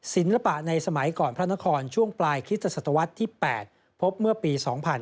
ศิลปะในสมัยก่อนพระนครช่วงปลายคริสตศตวรรษที่๘พบเมื่อปี๒๕๕๙